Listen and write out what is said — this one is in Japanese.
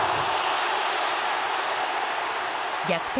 逆転